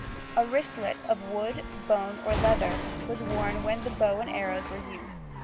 A wristlet of wood, bone, or leather was worn when the bow and arrows were used.